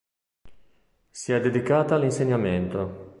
Si è dedicata all'insegnamento.